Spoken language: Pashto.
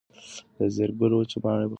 د زېړ ګل وچې پاڼې په ځمکه رژېدلې پرتې وې.